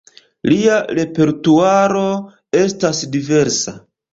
Lia repertuaro estas diversa.